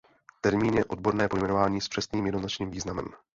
Termín je odborné pojmenování s přesným jednoznačným významem.